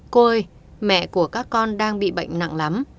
cô ơi mẹ của các con đang bị bệnh nặng lắm